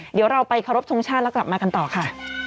เดี๋ยวเราไปเคารพทรงชาติแล้วกลับมากันต่อค่ะ